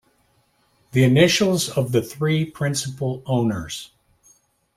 The Initials of the Three principal owners.